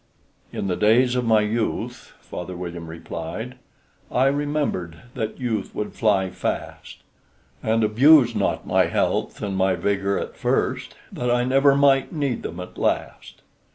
"In the days of my youth," Father William replied, "I remembered that youth would fly fast, And abused not my health and my vigor at first, That I never might need them at last."